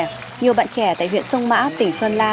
nhiều bạn trẻ tại huyện sông mã tỉnh sơn la